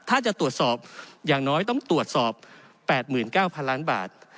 ถ้าจะตรวจสอบอย่างน้อยต้องตรวจสอบ๘๙๐๐ล้านบาท